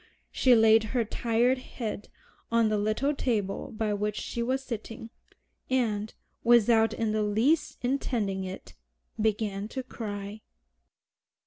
She laid her tired head on the little table by which she was sitting, and, without in the least intending it, began to cry.